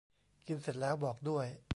กินเสร็จแล้วบอกด้วย